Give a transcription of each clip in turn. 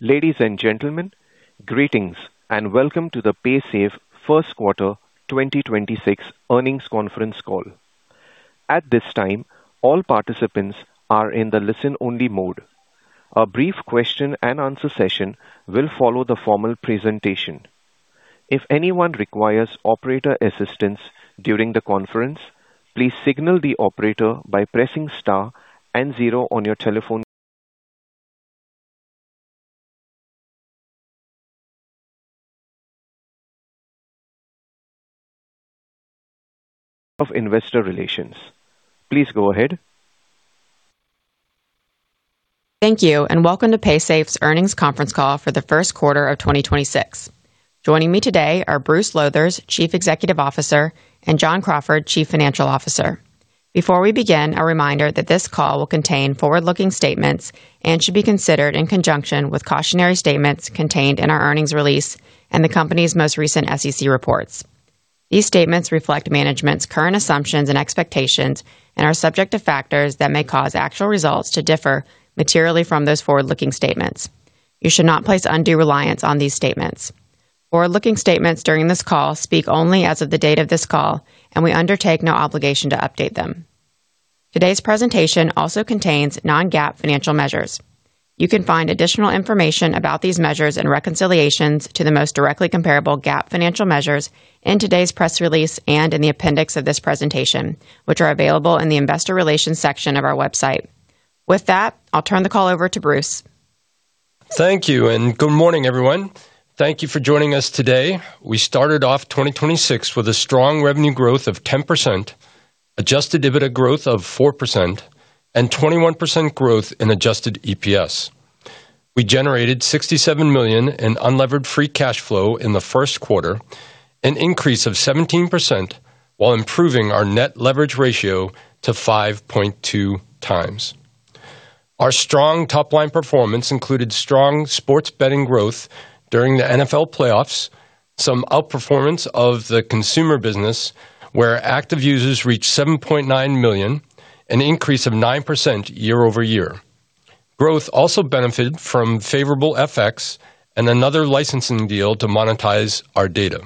Ladies and gentlemen, greetings and welcome to the Paysafe first quarter 2026 earnings conference call. At this time, all participants are in the listen-only mode. A brief question-and-answer session will follow the formal presentation. If anyone requires operator assistance during the conference, please signal the operator by pressing star zero on your telephone. Of Investor Relations. Please go ahead. Thank you, welcome to Paysafe's earnings conference call for the first quarter of 2026. Joining me today are Bruce Lowthers, Chief Executive Officer, and John Crawford, Chief Financial Officer. Before we begin, a reminder that this call will contain forward-looking statements and should be considered in conjunction with cautionary statements contained in our earnings release and the company's most recent SEC reports. These statements reflect management's current assumptions and expectations and are subject to factors that may cause actual results to differ materially from those forward-looking statements. You should not place undue reliance on these statements. Forward-looking statements during this call speak only as of the date of this call, and we undertake no obligation to update them. Today's presentation also contains non-GAAP financial measures. You can find additional information about these measures and reconciliations to the most directly comparable GAAP financial measures in today's press release and in the appendix of this presentation, which are available in the Investor Relations section of our website. With that, I'll turn the call over to Bruce. Thank you and good morning, everyone. Thank you for joining us today. We started off 2026 with a strong revenue growth of 10%, adjusted EBITDA growth of 4%, and 21% growth in adjusted EPS. We generated $67 million in unlevered free cash flow in the first quarter, an increase of 17% while improving our net leverage ratio to 5.2x. Our strong top-line performance included strong sports betting growth during the NFL playoffs, some outperformance of the consumer business where active users reached 7.9 million, an increase of 9% year-over-year. Growth also benefited from favorable FX and another licensing deal to monetize our data.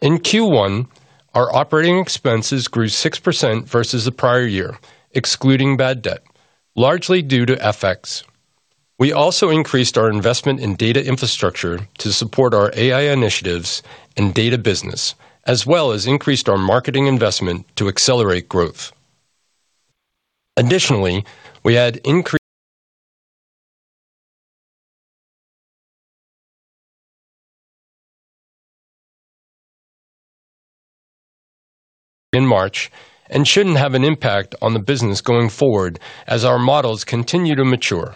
In Q1, our operating expenses grew 6% versus the prior year, excluding bad debt, largely due to FX. We also increased our investment in data infrastructure to support our AI initiatives and data business, as well as increased our marketing investment to accelerate growth. Additionally, we had in March and shouldn't have an impact on the business going forward as our models continue to mature.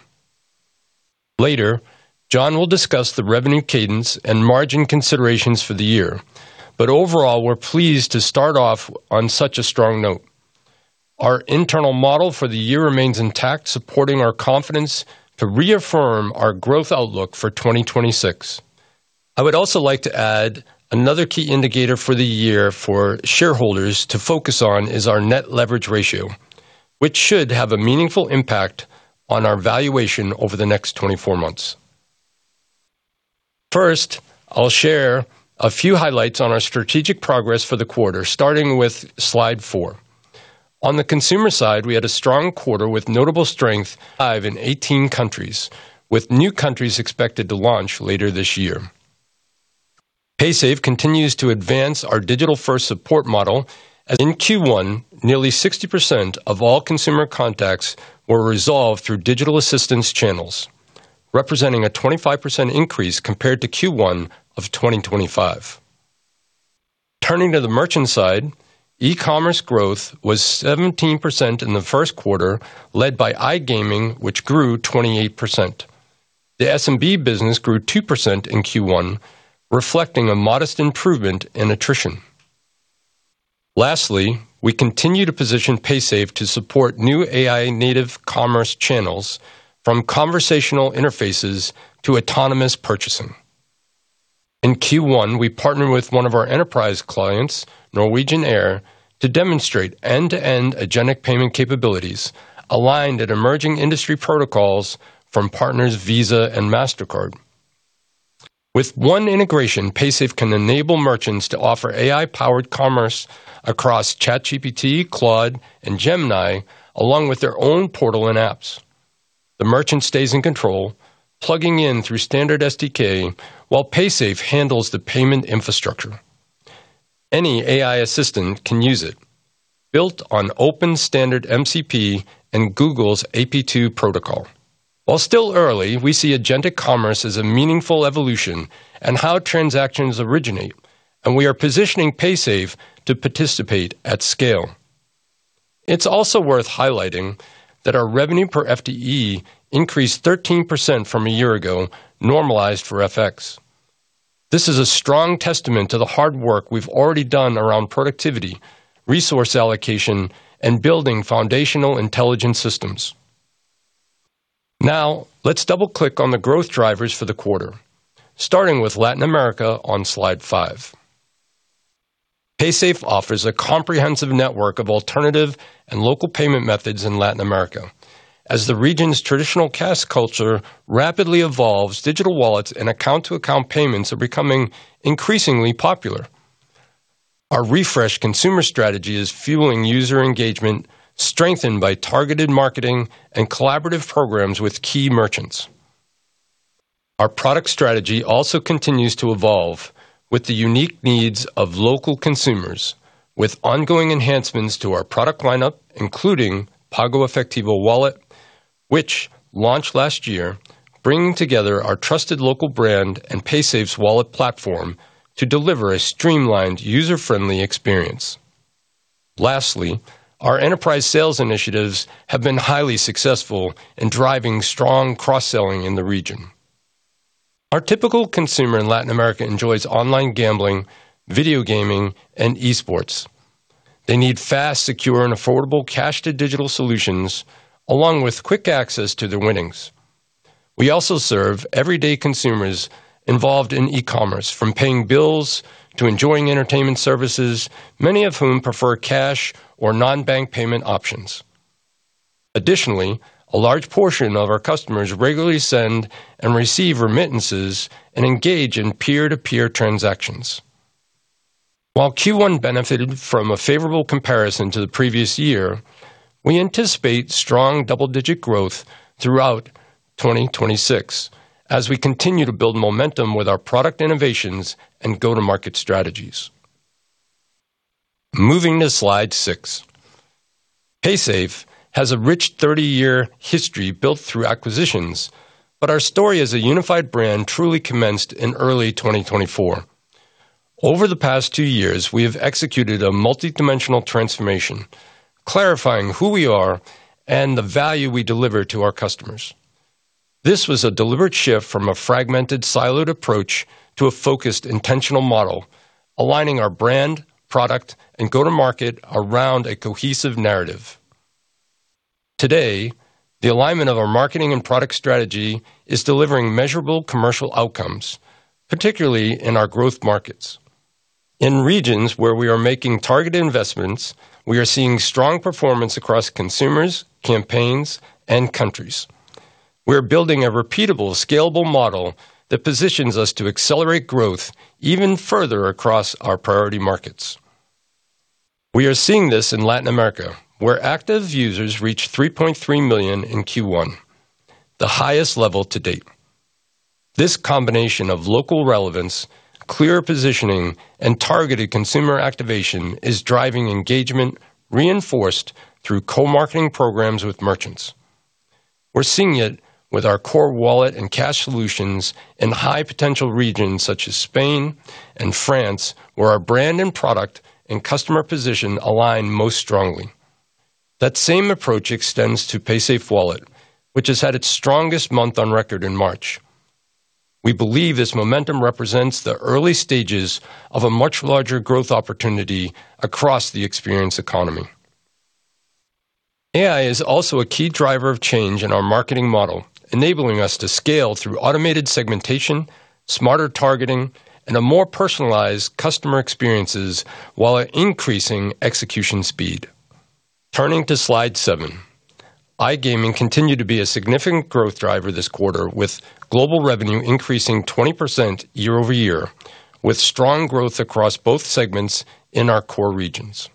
Later, John will discuss the revenue cadence and margin considerations for the year. Overall, we're pleased to start off on such a strong note. Our internal model for the year remains intact, supporting our confidence to reaffirm our growth outlook for 2026. I would also like to add another key indicator for the year for shareholders to focus on is our net leverage ratio, which should have a meaningful impact on our valuation over the next 24 months. First, I'll share a few highlights on our strategic progress for the quarter, starting with slide four. On the consumer side, we had a strong quarter with notable strength, live in 18 countries, with new countries expected to launch later this year. Paysafe continues to advance our digital-first support model. In Q1, nearly 60% of all consumer contacts were resolved through digital assistance channels, representing a 25% increase compared to Q1 of 2025. Turning to the merchant side, e-commerce growth was 17% in the first quarter, led by iGaming, which grew 28%. The SMB business grew 2% in Q1, reflecting a modest improvement in attrition. Lastly, we continue to position Paysafe to support new AI-native commerce channels from conversational interfaces to autonomous purchasing. In Q1, we partnered with one of our enterprise clients, Norwegian Air, to demonstrate end-to-end agentic payment capabilities aligned at emerging industry protocols from partners Visa and Mastercard. With one integration, Paysafe can enable merchants to offer AI-powered commerce across ChatGPT, Claude, and Gemini, along with their own portal and apps. The merchant stays in control, plugging in through standard SDK while Paysafe handles the payment infrastructure. Any AI assistant can use it. Built on open standard MCP and Google's AP2 protocol. Still early, we see agentic commerce as a meaningful evolution in how transactions originate, and we are positioning Paysafe to participate at scale. It's also worth highlighting that our revenue per FTE increased 13% from a year ago, normalized for FX. This is a strong testament to the hard work we've already done around productivity, resource allocation, and building foundational intelligent systems. Let's double-click on the growth drivers for the quarter, starting with Latin America on slide five. Paysafe offers a comprehensive network of alternative and local payment methods in Latin America. As the region's traditional cash culture rapidly evolves, digital wallets and account-to-account payments are becoming increasingly popular. Our refreshed consumer strategy is fueling user engagement, strengthened by targeted marketing and collaborative programs with key merchants. Our product strategy also continues to evolve with the unique needs of local consumers, with ongoing enhancements to our product lineup, including PagoEfectivo wallet, which launched last year, bringing together our trusted local brand and Paysafe's wallet platform to deliver a streamlined, user-friendly experience. Our enterprise sales initiatives have been highly successful in driving strong cross-selling in the region. Our typical consumer in Latin America enjoys online gambling, video gaming, and esports. They need fast, secure, and affordable cash-to-digital solutions along with quick access to their winnings. We also serve everyday consumers involved in e-commerce, from paying bills to enjoying entertainment services, many of whom prefer cash or non-bank payment options. Additionally, a large portion of our customers regularly send and receive remittances and engage in peer-to-peer transactions. While Q1 benefited from a favorable comparison to the previous year, we anticipate strong double-digit growth throughout 2026 as we continue to build momentum with our product innovations and go-to-market strategies. Moving to slide six. Paysafe has a rich 30-year history built through acquisitions, but our story as a unified brand truly commenced in early 2024. Over the past two years, we have executed a multidimensional transformation, clarifying who we are and the value we deliver to our customers. This was a deliberate shift from a fragmented, siloed approach to a focused, intentional model, aligning our brand, product, and go-to-market around a cohesive narrative. Today, the alignment of our marketing and product strategy is delivering measurable commercial outcomes, particularly in our growth markets. In regions where we are making targeted investments, we are seeing strong performance across consumers, campaigns, and countries. We're building a repeatable, scalable model that positions us to accelerate growth even further across our priority markets. We are seeing this in Latin America, where active users reached 3.3 million in Q1, the highest level to date. This combination of local relevance, clear positioning, and targeted consumer activation is driving engagement reinforced through co-marketing programs with merchants. We're seeing it with our core wallet and cash solutions in high-potential regions such as Spain and France, where our brand and product and customer position align most strongly. That same approach extends to PaysafeWallet, which has had its strongest month on record in March. We believe this momentum represents the early stages of a much larger growth opportunity across the experience economy. AI is also a key driver of change in our marketing model, enabling us to scale through automated segmentation, smarter targeting, and a more personalized customer experiences while increasing execution speed. Turning to slide seven. iGaming continued to be a significant growth driver this quarter, with global revenue increasing 20% year-over-year, with strong growth across both segments in our core regions.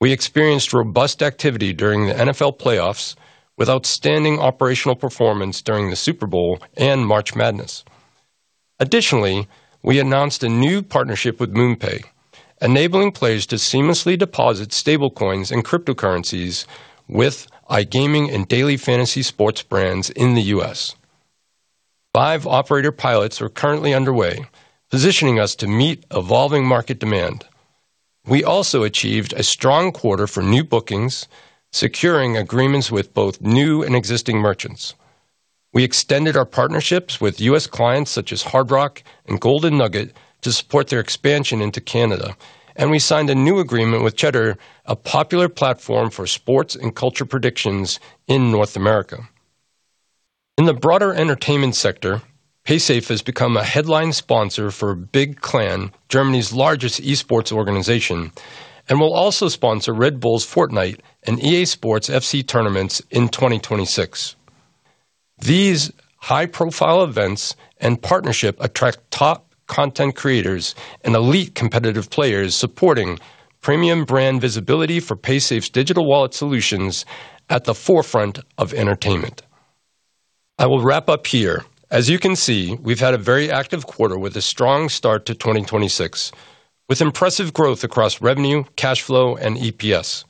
We experienced robust activity during the NFL playoffs with outstanding operational performance during the Super Bowl and March Madness. Additionally, we announced a new partnership with MoonPay, enabling players to seamlessly deposit stablecoins and cryptocurrencies with iGaming and daily fantasy sports brands in the U.S. Five operator pilots are currently underway, positioning us to meet evolving market demand. We also achieved a strong quarter for new bookings, securing agreements with both new and existing merchants. We extended our partnerships with U.S. clients such as Hard Rock and Golden Nugget to support their expansion into Canada, and we signed a new agreement with Cheddar, a popular platform for sports and culture predictions in North America. In the broader entertainment sector, Paysafe has become a headline sponsor for BIG, Germany's largest esports organization, and will also sponsor Red Bull's Fortnite and EA Sports FC tournaments in 2026. These high-profile events and partnership attract top content creators and elite competitive players supporting premium brand visibility for Paysafe's digital wallet solutions at the forefront of entertainment. I will wrap up here. As you can see, we've had a very active quarter with a strong start to 2026, with impressive growth across revenue, cash flow, and EPS.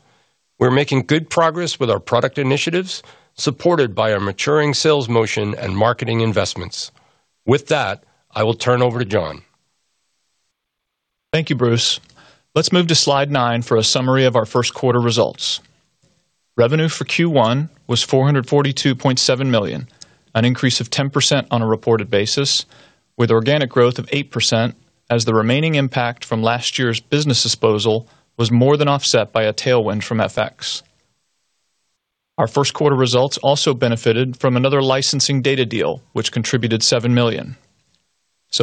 We're making good progress with our product initiatives, supported by our maturing sales motion and marketing investments. With that, I will turn over to John. Thank you, Bruce. Let's move to slide nine for a summary of our first quarter results. Revenue for Q1 was $442.7 million, an increase of 10% on a reported basis, with organic growth of 8% as the remaining impact from last year's business disposal was more than offset by a tailwind from FX. Our first quarter results also benefited from another licensing data deal, which contributed $7 million.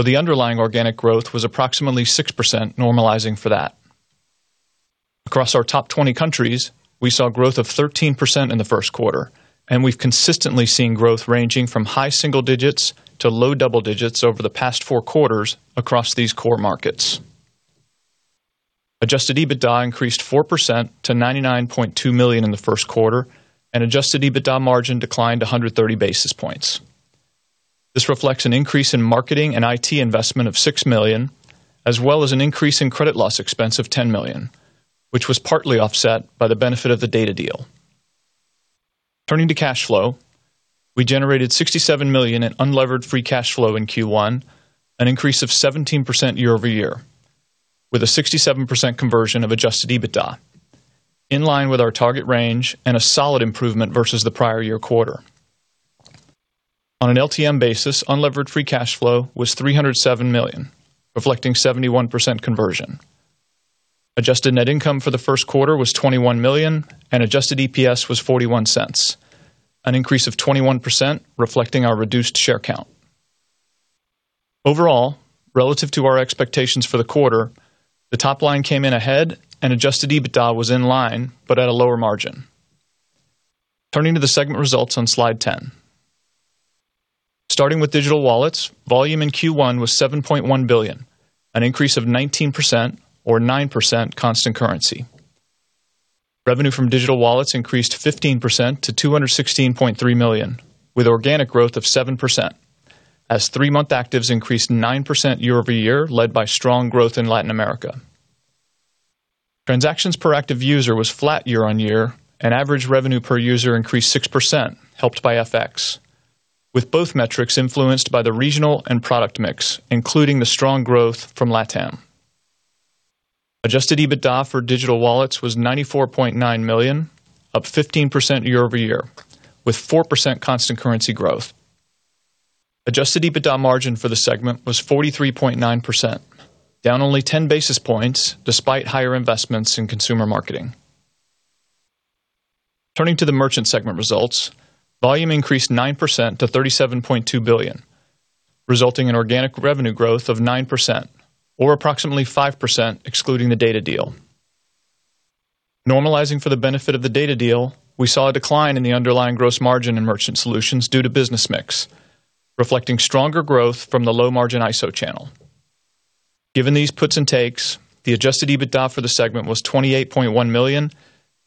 The underlying organic growth was approximately 6% normalizing for that. Across our top 20 countries, we saw growth of 13% in the first quarter, and we've consistently seen growth ranging from high single-digits to low double-digits over the past four quarters across these core markets. Adjusted EBITDA increased 4% to $99.2 million in the first quarter, and adjusted EBITDA margin declined 130 basis points. This reflects an increase in marketing and IT investment of $6 million, as well as an increase in credit loss expense of $10 million, which was partly offset by the benefit of the data deal. Turning to cash flow, we generated $67 million in unlevered free cash flow in Q1, an increase of 17% year-over-year, with a 67% conversion of adjusted EBITDA, in line with our target range and a solid improvement versus the prior year quarter. On an LTM basis, unlevered free cash flow was $307 million, reflecting 71% conversion. Adjusted net income for the first quarter was $21 million, and adjusted EPS was $0.41, an increase of 21% reflecting our reduced share count. Overall, relative to our expectations for the quarter, the top line came in ahead and adjusted EBITDA was in line but at a lower margin. Turning to the segment results on slide 10. Starting with digital wallets, volume in Q1 was $7.1 billion, an increase of 19% or 9% constant currency. Revenue from digital wallets increased 15% to $216.3 million, with organic growth of 7% as three-month actives increased 9% year-over-year, led by strong growth in Latin America. Transactions per active user was flat year-on-year, and average revenue per user increased 6%, helped by FX, with both metrics influenced by the regional and product mix, including the strong growth from LatAm. Adjusted EBITDA for digital wallets was $94.9 million, up 15% year-over-year, with 4% constant currency growth. Adjusted EBITDA margin for the segment was 43.9%, down only 10 basis points despite higher investments in consumer marketing. Turning to the merchant segment results, volume increased 9% to $37.2 billion, resulting in organic revenue growth of 9% or approximately 5% excluding the data deal. Normalizing for the benefit of the data deal, we saw a decline in the underlying gross margin in merchant solutions due to business mix, reflecting stronger growth from the low-margin ISO channel. Given these puts and takes, the adjusted EBITDA for the segment was $28.1 million,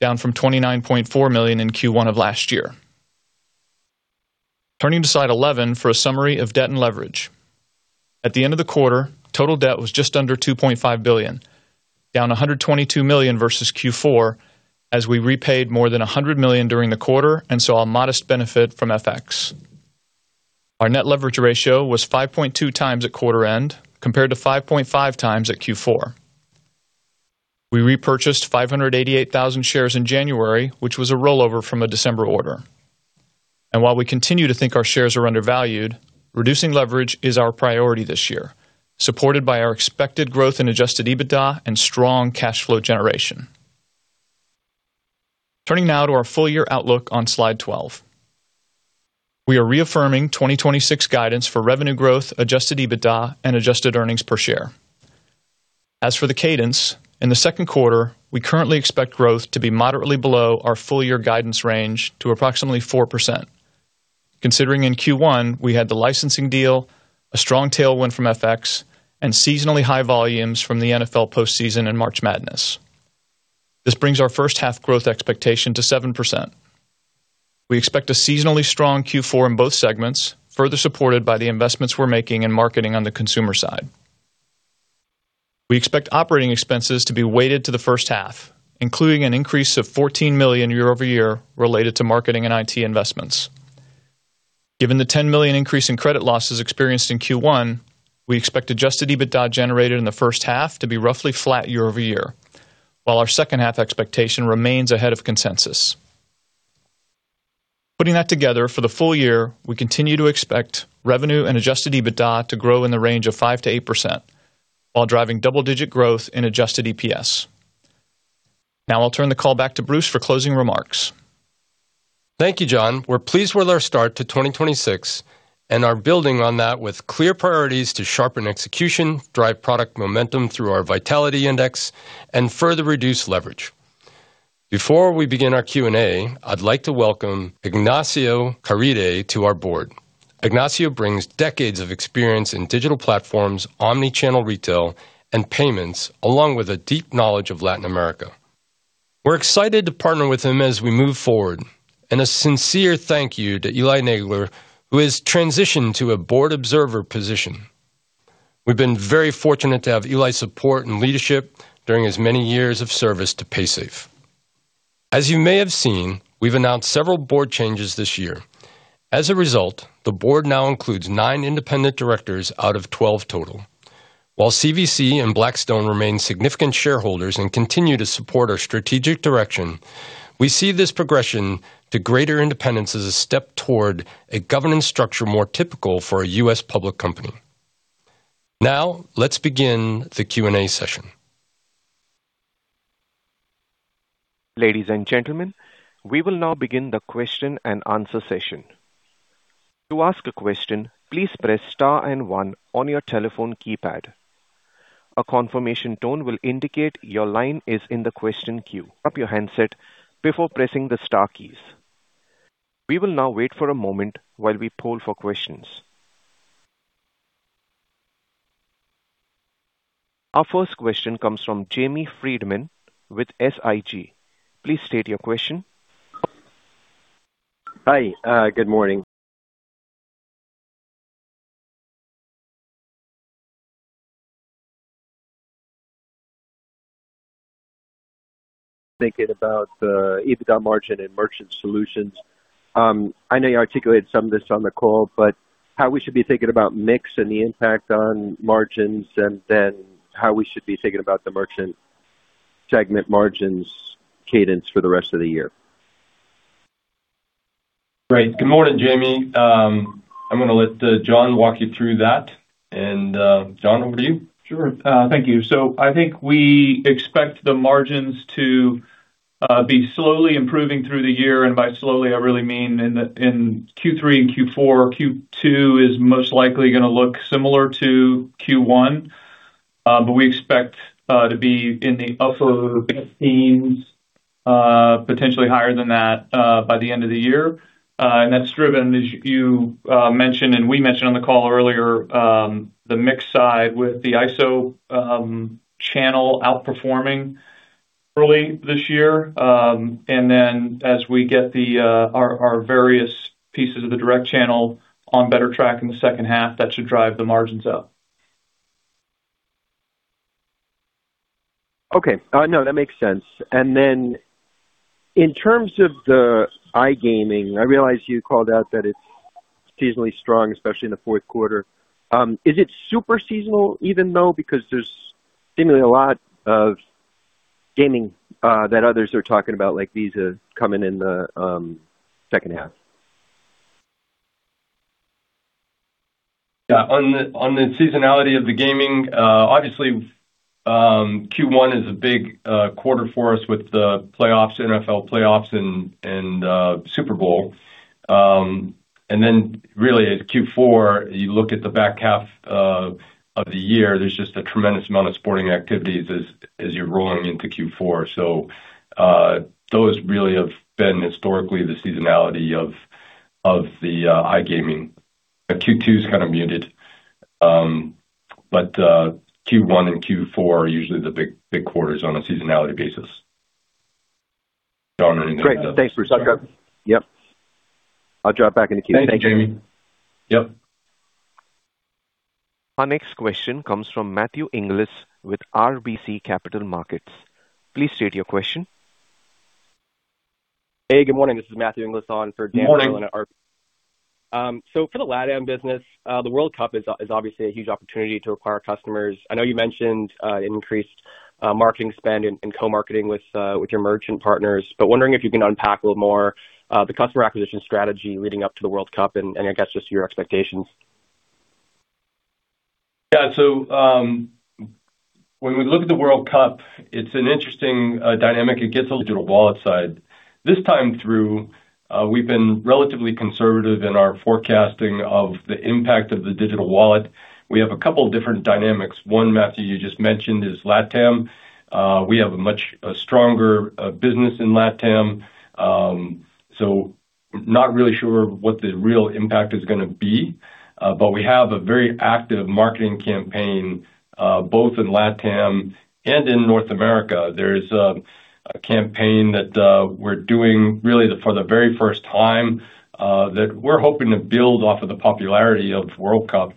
down from $29.4 million in Q1 of last year. Turning to slide 11 for a summary of debt and leverage. At the end of the quarter, total debt was just under $2.5 billion, down $122 million versus Q4 as we repaid more than $100 million during the quarter and saw a modest benefit from FX. Our net leverage ratio was 5.2x at quarter end compared to 5.5x at Q4. We repurchased 588,000 shares in January, which was a rollover from a December order. While we continue to think our shares are undervalued, reducing leverage is our priority this year, supported by our expected growth in adjusted EBITDA and strong cash flow generation. Turning now to our full-year outlook on slide 12. We are reaffirming 2026 guidance for revenue growth, adjusted EBITDA, and adjusted earnings per share. As for the cadence, in the second quarter, we currently expect growth to be moderately below our full-year guidance range to approximately 4%. Considering in Q1, we had the licensing deal, a strong tailwind from FX, and seasonally high volumes from the NFL postseason and March Madness. This brings our first half growth expectation to 7%. We expect a seasonally strong Q4 in both segments, further supported by the investments we're making in marketing on the consumer side. We expect operating expenses to be weighted to the first half, including an increase of $14 million year-over-year related to marketing and IT investments. Given the $10 million increase in credit losses experienced in Q1, we expect adjusted EBITDA generated in the first half to be roughly flat year-over-year, while our second half expectation remains ahead of consensus. Putting that together, for the full year, we continue to expect revenue and adjusted EBITDA to grow in the range of 5%-8% while driving double-digit growth in adjusted EPS. Now I'll turn the call back to Bruce for closing remarks. Thank you, John. We're pleased with our start to 2026 and are building on that with clear priorities to sharpen execution, drive product momentum through our Vitality Index, and further reduce leverage. Before we begin our Q&A, I'd like to welcome Ignacio Caride to our board. Ignacio brings decades of experience in digital platforms, omni-channel retail, and payments, along with a deep knowledge of Latin America. We're excited to partner with him as we move forward, and a sincere thank you to Eli Nagler, who has transitioned to a board observer position. We've been very fortunate to have Eli's support and leadership during his many years of service to Paysafe. As you may have seen, we've announced several board changes this year. As a result, the board now includes nine independent directors out of 12 total. While CVC and Blackstone remain significant shareholders and continue to support our strategic direction, we see this progression to greater independence as a step toward a governance structure more typical for a U.S. public company. Now let's begin the Q&A session. Ladies and gentlemen, we will now begin the question-and-answer session. To ask a question, please press star and one on your telephone keypad. A confirmation tone will indicate your line is in the question queue. Up your handset before pressing the star keys. We will now wait for a moment while we poll for questions. Our first question comes from Jamie Friedman with SIG. Please state your question. Hi, good morning. Thinking about the EBITDA margin and merchant solutions. I know you articulated some of this on the call, but how we should be thinking about mix and the impact on margins, and then how we should be thinking about the merchant segment margins cadence for the rest of the year. Right. Good morning, Jamie. I'm going to let John walk you through that. John, over to you. Sure. Thank you. I think we expect the margins to be slowly improving through the year, and by slowly I really mean in Q3 and Q4. Q2 is most likely going to look similar to Q1. We expect to be in the upper mid-teens, potentially higher than that, by the end of the year. That's driven, as you mentioned and we mentioned on the call earlier, the mix side with the ISO channel outperforming early this year. As we get the our various pieces of the direct channel on better track in the second half, that should drive the margins up. Okay. No, that makes sense. In terms of the iGaming, I realize you called out that it's seasonally strong, especially in the fourth quarter. Is it super seasonal even though? Because there's seemingly a lot of gaming that others are talking about like Visa coming in the second half. Yeah. On the seasonality of the gaming, obviously, Q1 is a big quarter for us with the playoffs, NFL playoffs and Super Bowl. Really at Q4, you look at the back half of the year, there's just a tremendous amount of sporting activities as you're rolling into Q4. Those really have been historically the seasonality of the iGaming. Q2 is kind of muted. Q1 and Q4 are usually the big quarters on a seasonality basis. Great. Thanks, Bruce. Yep. I'll drop back in the queue. Thank you. Thank you, Jamie. Yep. Our next question comes from Matthew Inglis with RBC Capital Markets. Please state your question. Hey, good morning. This is Matthew Inglis on for Dan Perlin at RB- Good morning. For the LatAm business, the World Cup is obviously a huge opportunity to acquire customers. I know you mentioned increased marketing spend and co-marketing with your merchant partners, but wondering if you can unpack a little more the customer acquisition strategy leading up to the World Cup and I guess just your expectations. When we look at the World Cup, it's an interesting dynamic. It gets a little digital wallet side. This time through, we've been relatively conservative in our forecasting of the impact of the digital wallet. We have a couple different dynamics. One, Matthew, you just mentioned is LatAm. We have a much stronger business in LatAm. Not really sure what the real impact is gonna be, but we have a very active marketing campaign both in LatAm and in North America. There's a campaign that we're doing really for the very first time that we're hoping to build off of the popularity of World Cup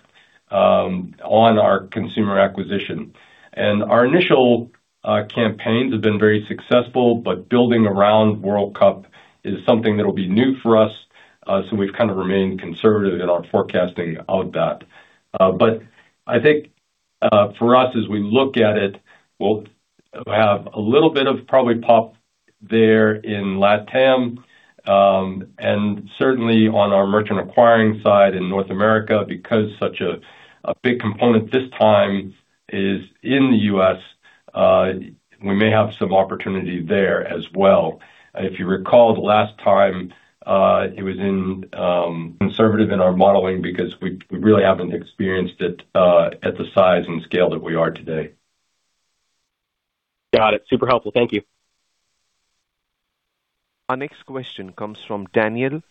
on our consumer acquisition. Our initial campaigns have been very successful, but building around World Cup is something that'll be new for us, so we've kind of remained conservative in our forecasting of that. I think for us, as we look at it, we'll have a little bit of probably pop there in LatAm, and certainly on our merchant acquiring side in North America because such a big component this time is in the U.S., we may have some opportunity there as well. Conservative in our modeling because we really haven't experienced it at the size and scale that we are today. Got it. Super helpful. Thank you. Our next question comes from Darrin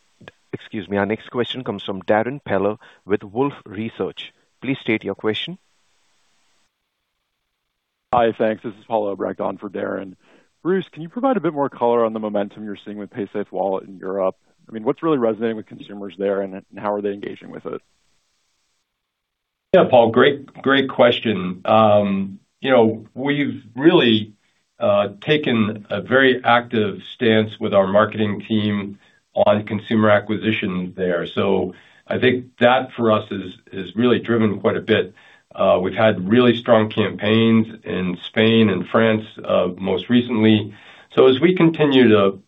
Peller with Wolfe Research. Please state your question. Hi. Thanks. This is Paul Obrecht on for Darrin. Bruce, can you provide a bit more color on the momentum you're seeing with PaysafeWallet in Europe? I mean, what's really resonating with consumers there, and how are they engaging with it? Yeah, Paul, great question. you know, we've really taken a very active stance with our marketing team on consumer acquisition there. I think that for us is really driven quite a bit. We've had really strong campaigns in Spain and France most recently. As we continue to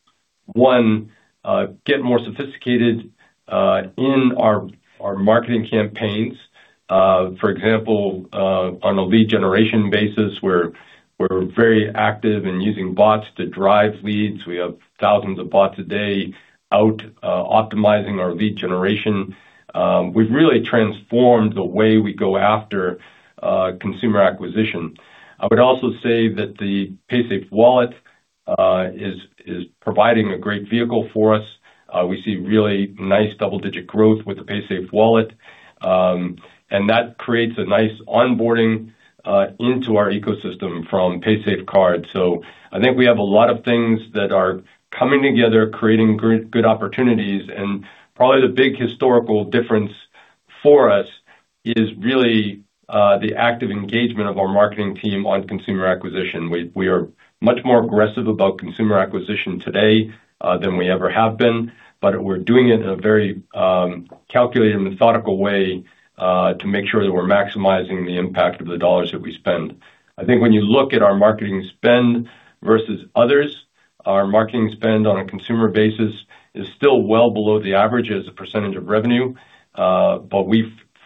get more sophisticated in our marketing campaigns. For example, on a lead generation basis, we're very active in using bots to drive leads. We have thousands of bots a day out optimizing our lead generation. We've really transformed the way we go after consumer acquisition. I would also say that the PaysafeWallet is providing a great vehicle for us. We see really nice double-digit growth with the PaysafeWallet. That creates a nice onboarding into our ecosystem from paysafecard. I think we have a lot of things that are coming together, creating good opportunities. Probably the big historical difference for us is really the active engagement of our marketing team on consumer acquisition. We are much more aggressive about consumer acquisition today than we ever have been, but we're doing it in a very calculated and methodical way to make sure that we're maximizing the impact of the dollars that we spend. I think when you look at our marketing spend versus others, our marketing spend on a consumer basis is still well below the average as a percentage of revenue. But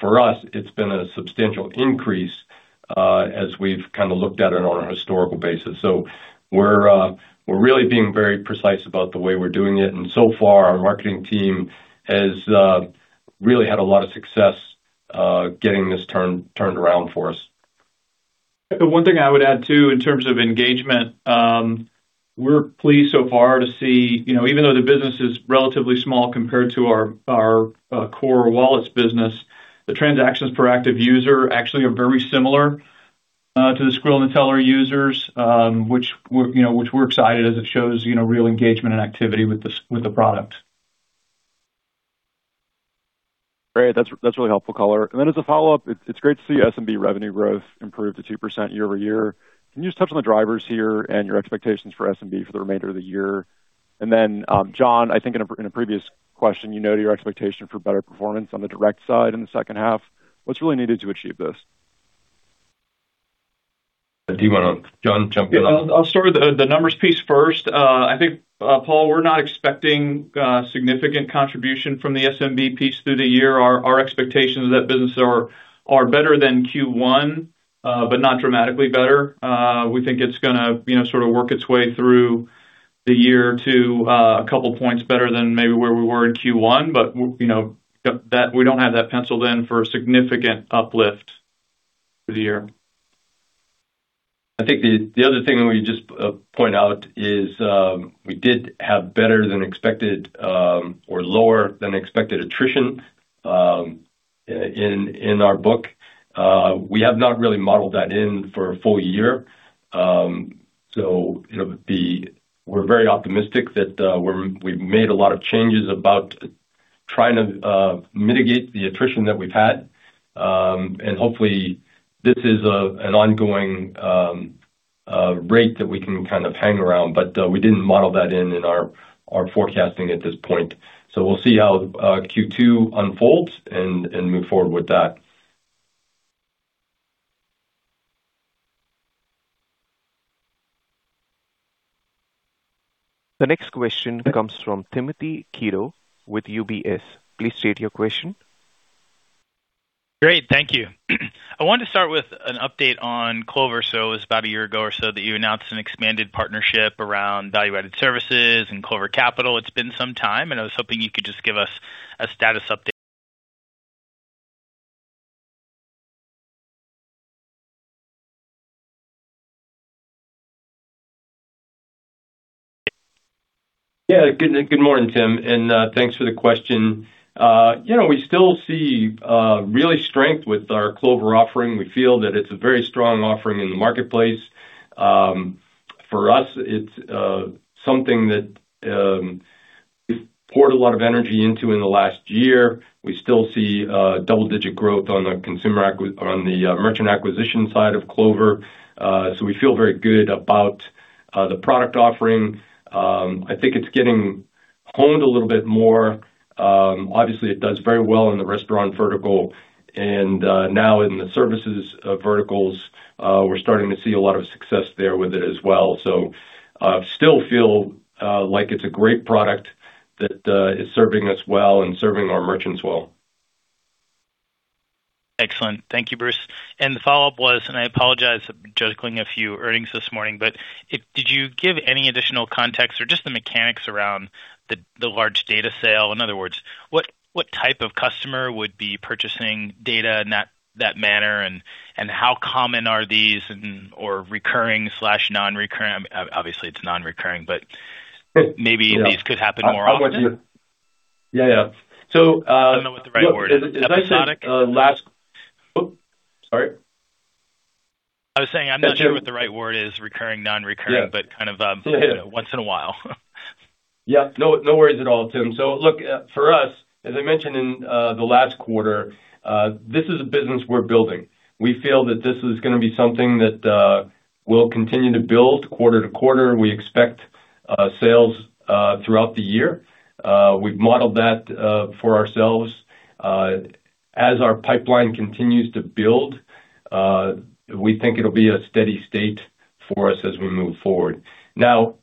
for us, it's been a substantial increase as we've kinda looked at it on a historical basis. We're really being very precise about the way we're doing it. So far, our marketing team has really had a lot of success getting this turned around for us. The one thing I would add too in terms of engagement, we're pleased so far to see, you know, even though the business is relatively small compared to our core wallets business, the transactions per active user actually are very similar to the Skrill and NETELLER users, which we're, you know, which we're excited as it shows, you know, real engagement and activity with the product. Great. That's really helpful color. Then as a follow-up, it's great to see SMB revenue growth improve to 2% year-over-year. Can you just touch on the drivers here and your expectations for SMB for the remainder of the year? Then, John, I think in a previous question you noted your expectation for better performance on the direct side in the second half. What's really needed to achieve this? Do you wanna, John, jump in? I'll start with the numbers piece first. I think, Paul, we're not expecting significant contribution from the SMB piece through the year. Our expectations of that business are better than Q1, but not dramatically better. We think it's gonna, you know, sort of work its way through the year to a couple points better than maybe where we were in Q1. You know, that we don't have that penciled in for a significant uplift for the year. I think the other thing that we just point out is we did have better than expected or lower than expected attrition in our book. We have not really modeled that in for a full year. You know, we're very optimistic that we've made a lot of changes about trying to mitigate the attrition that we've had. And hopefully this is an ongoing rate that we can kind of hang around. We didn't model that in our forecasting at this point. We'll see how Q2 unfolds and move forward with that. The next question comes from Timothy Chiodo with UBS. Please state your question. Great. Thank you. I wanted to start with an update on Clover. It was about a year ago or so that you announced an expanded partnership around value-added services and Clover Capital. It's been some time, and I was hoping you could just give us a status update. Yeah. Good morning, Tim, thanks for the question. You know, we still see really strength with our Clover offering. We feel that it's a very strong offering in the marketplace. For us, it's something that we've poured a lot of energy into in the last year. We still see double-digit growth on the merchant acquisition side of Clover. We feel very good about the product offering. I think it's getting honed a little bit more. Obviously it does very well in the restaurant vertical and now in the services verticals, we're starting to see a lot of success there with it as well. Still feel like it's a great product that is serving us well and serving our merchants well. Excellent. Thank you, Bruce. The follow-up was, I apologize, I'm juggling a few earnings this morning, did you give any additional context or just the mechanics around the large data sale? In other words, what type of customer would be purchasing data in that manner? How common are these and/or recurring/non-recurring? Obviously it's non-recurring, maybe these could happen more often. I'm with you. Yeah, yeah. I don't know what the right word is. Episodic? As I said, Oh, sorry. I was saying I'm not sure what the right word is, recurring, non-recurring. Yeah. Kind of, you know, once in a while. Yeah. No, no worries at all, Tim. Look, for us, as I mentioned in the last quarter, this is a business we're building. We feel that this is gonna be something that we'll continue to build quarter-to-quarter. We expect sales throughout the year. We've modeled that for ourselves. As our pipeline continues to build, we think it'll be a steady state for us as we move forward. Now,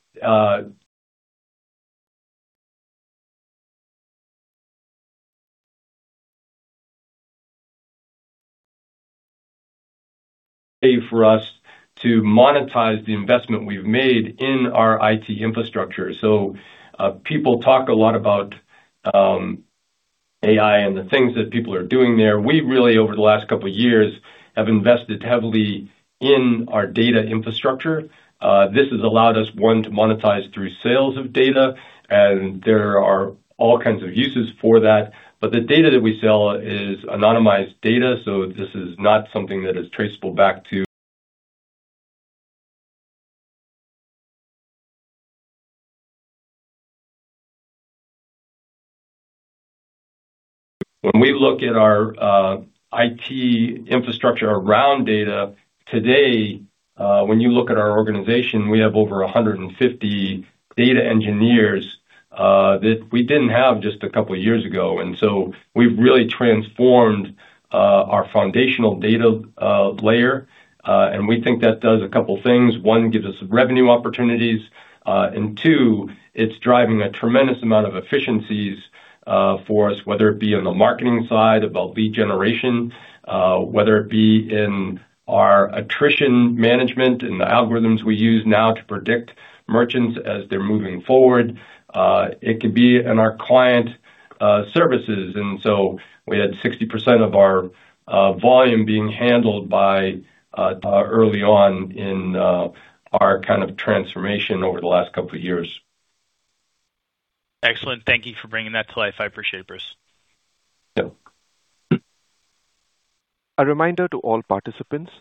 for us to monetize the investment we've made in our IT infrastructure. People talk a lot about AI and the things that people are doing there. We've really, over the last couple of years, have invested heavily in our data infrastructure. This has allowed us, one, to monetize through sales of data, and there are all kinds of uses for that. The data that we sell is anonymized data, so this is not something that is traceable back to when we look at our IT infrastructure around data today. When you look at our organization, we have over 150 data engineers that we didn't have just a couple of years ago. We've really transformed our foundational data layer. We think that does a couple things. One, gives us some revenue opportunities. Two, it's driving a tremendous amount of efficiencies for us, whether it be on the marketing side about lead generation, whether it be in our attrition management and the algorithms we use now to predict merchants as they're moving forward. It could be in our client services. We had 60% of our volume being handled by early on in our kind of transformation over the last couple of years. Excellent. Thank you for bringing that to life. I appreciate, Bruce. Yeah. A reminder to all participants,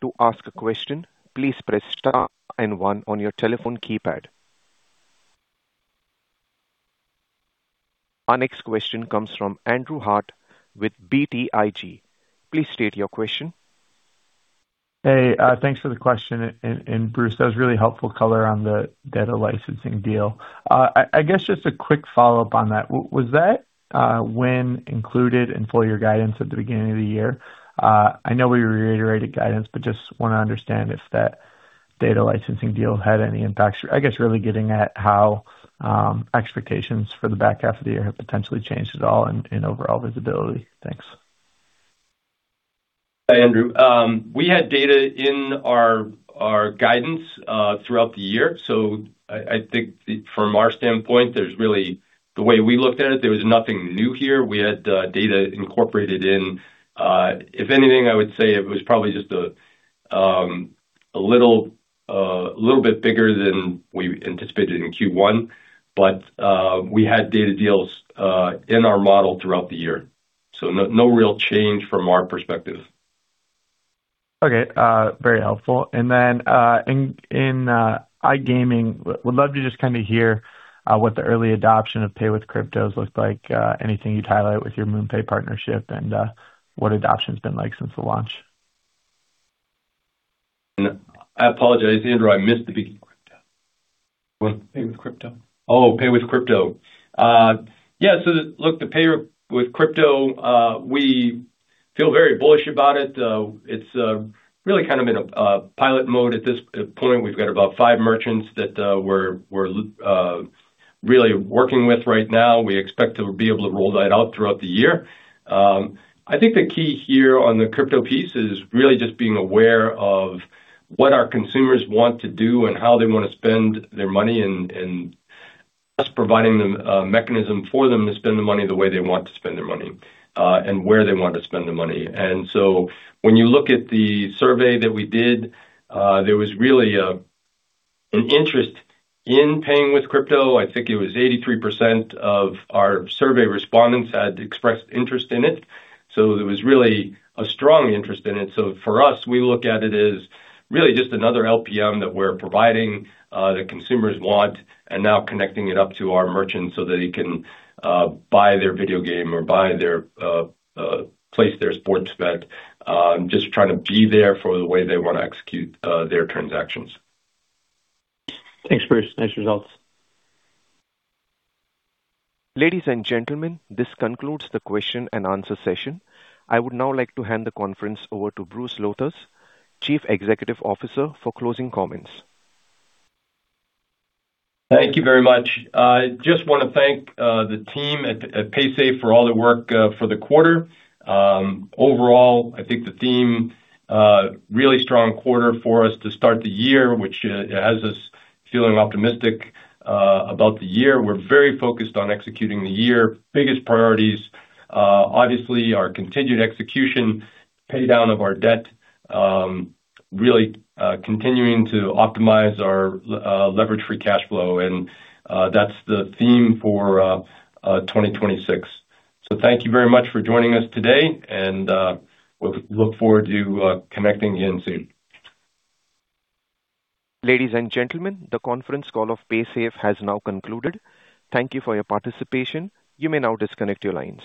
to ask a question, please press star and one on your telephone keypad. Our next question comes from Andrew Harte with BTIG. Please state your question. Hey, thanks for the question. Bruce, that was really helpful color on the data licensing deal. I guess just a quick follow-up on that. Was that win included in full year guidance at the beginning of the year? I know we reiterated guidance, just wanna understand if that data licensing deal had any impacts. I guess really getting at how expectations for the back half of the year have potentially changed at all and overall visibility. Thanks. Andrew, we had data in our guidance throughout the year. I think from our standpoint, the way we looked at it, there was nothing new here. We had data incorporated in. If anything, I would say it was probably just a little bit bigger than we anticipated in Q1. We had data deals in our model throughout the year. No real change from our perspective. Okay, very helpful. In iGaming, would love to just kinda hear what the early adoption of pay with cryptos looked like? Anything you'd highlight with your MoonPay partnership and what adoption's been like since the launch? I apologize, Andrew, I missed the beginning. Crypto. Pay with crypto. Oh, pay with crypto. Yeah. Look, the pay with crypto, we feel very bullish about it. It's really kind of in a pilot mode at this point. We've got about five merchants that we're really working with right now. We expect to be able to roll that out throughout the year. I think the key here on the crypto piece is really just being aware of what our consumers want to do and how they wanna spend their money and us providing them a mechanism for them to spend the money the way they want to spend their money, and where they want to spend the money. When you look at the survey that we did, there was really an interest in paying with crypto. I think it was 83% of our survey respondents had expressed interest in it, there was really a strong interest in it. For us, we look at it as really just another LPM that we're providing, that consumers want, and now connecting it up to our merchants so they can buy their video game or buy their place their sports bet. Just trying to be there for the way they wanna execute their transactions. Thanks, Bruce. Nice results. Ladies and gentlemen, this concludes the question-and-answer session. I would now like to hand the conference over to Bruce Lowthers, Chief Executive Officer, for closing comments. Thank you very much. I just wanna thank the team at Paysafe for all the work for the quarter. Overall, I think the theme, really strong quarter for us to start the year, which has us feeling optimistic about the year. We're very focused on executing the year. Biggest priorities, obviously our continued execution, pay down of our debt, really continuing to optimize our leverage free cash flow and that's the theme for 2026. Thank you very much for joining us today and we'll look forward to connecting again soon. Ladies and gentlemen, the conference call of Paysafe has now concluded. Thank you for your participation. You may now disconnect your lines.